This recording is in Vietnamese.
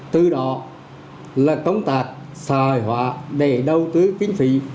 từ đó là công tác xài họa để đầu tư kinh phí